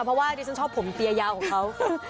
เพราะว่าดิฉันชอบผมเตียยาวของเขา